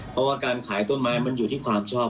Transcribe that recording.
เพราะว่าการขายต้นไม้มันอยู่ที่ความชอบ